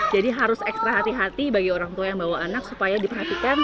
jadi harus ekstra hati hati bagi orang tua yang bawa anak supaya diperhatikan